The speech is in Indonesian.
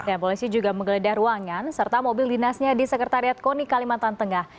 dan polisi juga menggeledah ruangan serta mobil dinasnya di sekretariat koni kalimantan tengah